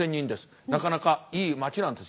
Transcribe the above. なかなかいい町なんです。